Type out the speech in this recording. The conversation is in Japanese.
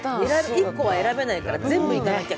１個は選べないから、これは全部行かなきゃ。